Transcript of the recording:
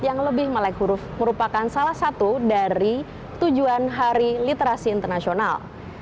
yang lebih melek huruf merupakan salah satu dari tujuan hari literasi internasional